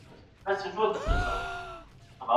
د مرهټيانو توپخانه څومره پیاوړې وه؟